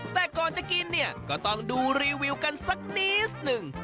แต่ก่อนจะกินเนี่ยก็ต้องดูรีวิวกันสักนิดหนึ่ง